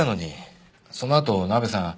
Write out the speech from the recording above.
そのあとナベさん